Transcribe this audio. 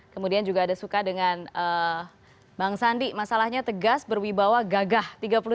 kemudian juga ada suka dengan bang sandi masalahnya tegas berwibawa gagah